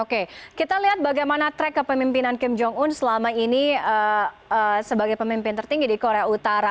oke kita lihat bagaimana track kepemimpinan kim jong un selama ini sebagai pemimpin tertinggi di korea utara